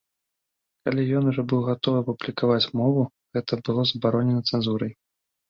Калі ён ужо быў гатовы апублікаваць мову, гэта было забаронена цэнзурай.